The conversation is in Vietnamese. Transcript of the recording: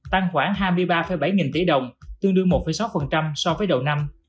tăng khoảng hai mươi ba bảy nghìn tỷ đồng tương đương một sáu so với đầu năm